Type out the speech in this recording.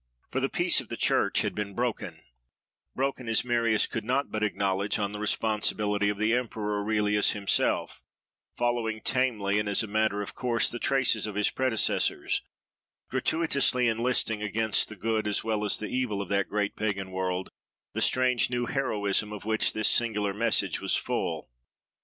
For the "Peace" of the church had been broken—broken, as Marius could not but acknowledge, on the responsibility of the emperor Aurelius himself, following tamely, and as a matter of course, the traces of his predecessors, gratuitously enlisting, against the good as well as the evil of that great pagan world, the strange new heroism of which this singular message was full.